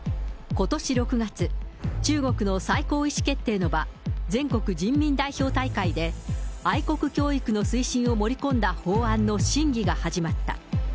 ことし６月、中国の最高意思決定の場、全国人民代表大会で、愛国教育の推進を盛り込んだ法案の審議が始まった。